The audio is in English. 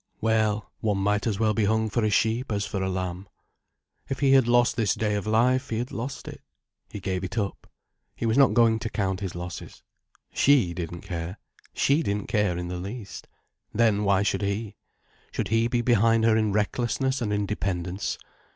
Well, one might as well be hung for a sheep as for a lamb. If he had lost this day of his life, he had lost it. He gave it up. He was not going to count his losses. She didn't care. She didn't care in the least. Then why should he? Should he be behind her in recklessness and independence?